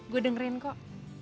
gua dengerin kok